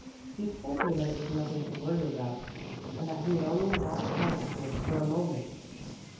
He told her that it was nothing to worry about, and that he had only lost consciousness for a moment.